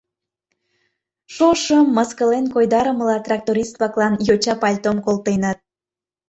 Шошым, мыскылен койдарымыла, тракторист-влаклан йоча пальтом колтеныт...